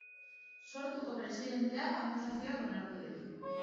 Sortuko presidenteak akusazioak onartu ditu.